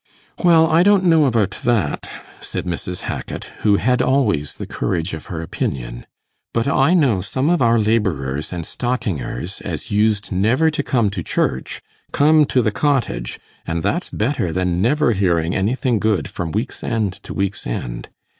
'Well, I don't know about that,' said Mrs. Hackit, who had always the courage of her opinion, 'but I know, some of our labourers and stockingers as used never to come to church, come to the cottage, and that's better than never hearing anything good from week's end to week's end.